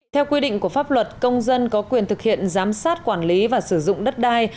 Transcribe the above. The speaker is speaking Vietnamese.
theo quy định của pháp luật công dân có quyền thực hiện giám sát quản lý và sử dụng đất đai